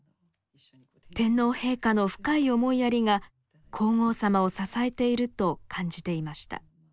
天皇陛下の深い思いやりが皇后さまを支えていると感じていました。